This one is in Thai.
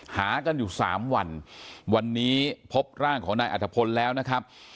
หากันอยู่สามวันวันนี้พบร่างของนายอัฐพลแล้วนะครับ